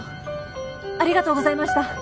あありがとうございました。